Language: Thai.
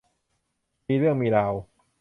มีเรื่องมีราว